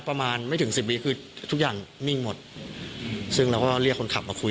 ประมาณไม่ถึงสิบวีคือทุกอย่างนิ่งหมดซึ่งเราก็เรียกคนขับมาคุย